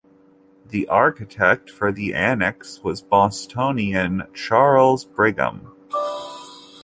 The architect for the annex was Bostonian Charles Brigham.